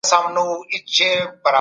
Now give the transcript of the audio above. مثبت ذهن ناوړه اوازو ته پام نه کوي.